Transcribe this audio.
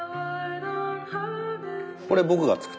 これ僕が作った。